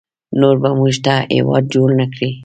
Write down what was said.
نور به موږ ته هیواد جوړ نکړي